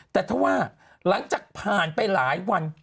แต่ถ้าว่าหลังจากผ่านไปหลายวัน